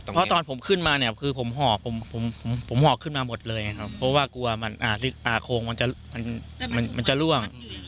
เพราะตอนผมขึ้นมาเนี่ยคือผมห่อผมผมผมห่อขึ้นมาหมดเลยครับเพราะว่ากลัวมันอ่าสิอ่าโค้งมันจะมันมันจะล่วง